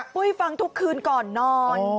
พูดให้ฟังทุกคืนก่อนนอน